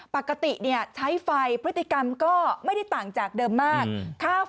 ปกติใช้ไฟพฤติกรรมก็ไม่ได้ต่างจากเดิมมาก